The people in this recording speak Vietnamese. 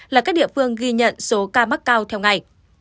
là các địa phương ghi nhận số ca mắc cao theo ngày